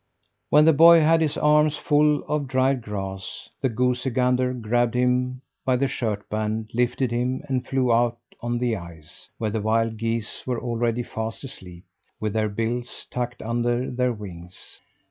When the boy had his arms full of dried grass, the goosey gander grabbed him by the shirt band, lifted him, and flew out on the ice, where the wild geese were already fast asleep, with their bills tucked under their wings.